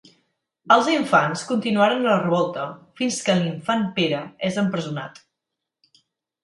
Els infants continuaren la revolta fins que l'infant Pere és empresonat.